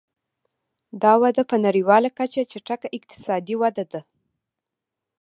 دا وده په نړیواله کچه چټکه اقتصادي وده ده.